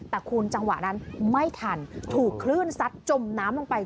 แต่คุณจังหวะนั้นไม่ทันถูกคลื่นซัดจมน้ำลงไป